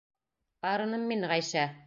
Арыным мин, Ғәйшә!..